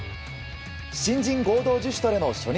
新人合同自主トレの初日。